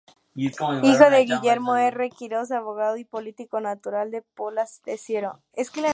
Hijo de Guillermo R. Quirós, abogado y político, natural de Pola de Siero.